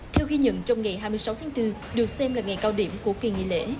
theo ghi nhận trong ngày hai mươi sáu tháng bốn được xem là ngày cao điểm của kỳ nghỉ lễ